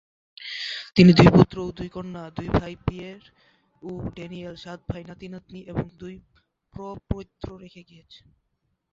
তিনি দুই পুত্র ও দুই কন্যা; দুই ভাই, পিয়ের ও ড্যানিয়েল; সাতজন নাতি-নাতনি; এবং দুই প্রপৌত্র রেখে গেছেন।